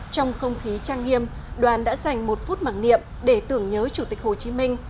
trong không khí trang nghiêm đoàn đã dành một phút mặc niệm để tưởng nhớ chủ tịch hồ chí minh